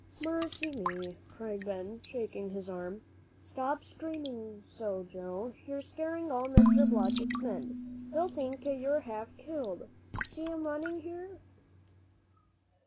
"Mercy me!" cried Ben, shaking his arm, "stop screaming so, Joe, you're scaring all Mr. Blodgett's men. They'll think you're half killed. See 'em running here."